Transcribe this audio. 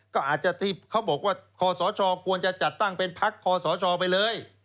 ก็อาจจะที่เขาบอกว่าคอสชควรจะจัดตั้งเป็นพักคอสชไปเลย